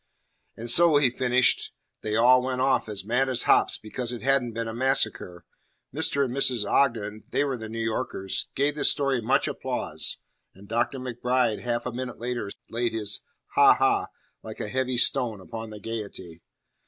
"And so," he finished, "they all went off as mad as hops because it hadn't been a massacre." Mr. and Mrs. Ogden they were the New Yorkers gave this story much applause, and Dr. MacBride half a minute later laid his "ha ha," like a heavy stone, upon the gaiety.